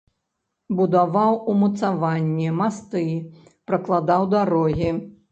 Будаваў умацаванні, масты, пракладаў дарогі.